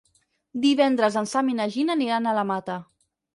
Divendres en Sam i na Gina aniran a la Mata.